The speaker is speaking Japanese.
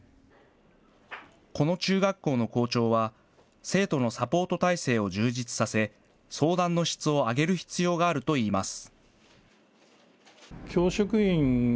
この中学校の校長は、生徒のサポート体制を充実させ、相談の質を上げる必要があるといいます。